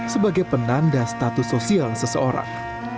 sebagai penanda status sosial seseorang